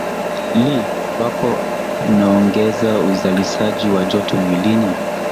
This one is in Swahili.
li wako unaongeza uzalishaji wa joto mwilini